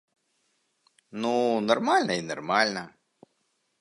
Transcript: Ну, нармальна і нармальна.